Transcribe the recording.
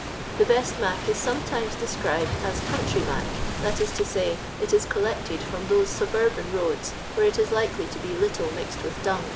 The best "mac "is some times described ns " country mac," that is to say, it is collected from those suburban roads where it is likely to be little mixed with dung, &c.